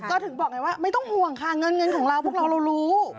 ก็ถึงบอกไงว่าไม่ต้องห่วงค่ะเงินเงินของเราพวกเราเรารู้